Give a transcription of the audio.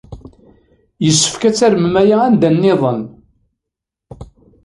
Yessefk ad tarmem aya anda niḍen.